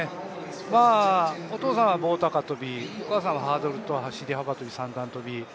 お父さんは棒高跳お母さんはハードルと走幅跳、三段跳び。